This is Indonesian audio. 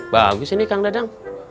bagus ini kang dadang